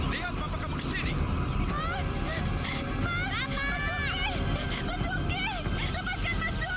lepaskan mas duki